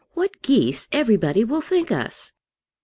What geese everybody will think us!"